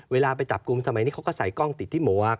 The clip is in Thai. เวลาไปจับกลุ่มสมัยนี้เขาก็ใส่กล้องติดที่หมวก